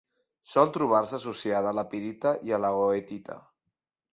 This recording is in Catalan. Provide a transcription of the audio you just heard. Sol trobar-se associada a la pirita i a la goethita.